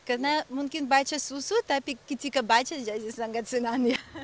karena mungkin baca susu tapi ketika baca jadi sangat senang ya